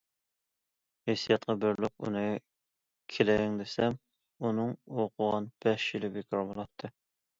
ھېسسىياتقا بېرىلىپ ئۇنى كېلىڭ دېسەم، ئۇنىڭ ئوقۇغان بەش يىلى بىكار بولاتتى.